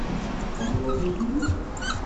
Tḥemmleḍ-iyi?